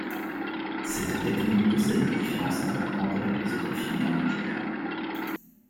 Cette technique possède des différences importantes avec les autres filières nucléaires.